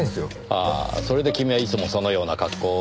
ああそれで君はいつもそのような格好を？